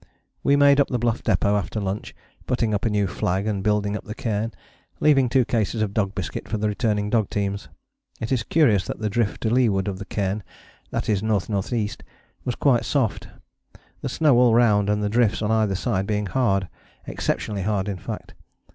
We made up the Bluff Depôt after lunch, putting up a new flag and building up the cairn, leaving two cases of dog biscuit for the returning dog teams. It is curious that the drift to leeward of the cairn, that is N.N.E., was quite soft, the snow all round and the drifts on either side being hard exceptionally hard in fact.